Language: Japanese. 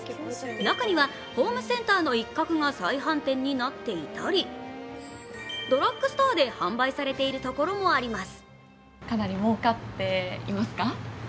中にはホームセンターの一角が再販店になっていたり、ドラッグストアで販売されているところもあります。